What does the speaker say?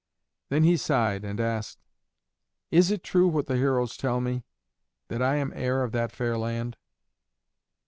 Then he sighed and asked, "Is it true what the heroes tell me that I am heir of that fair land?"